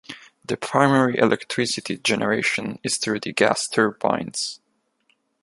The primary electricity generation is through the Gas turbines.